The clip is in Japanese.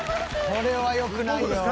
「これはよくないよ」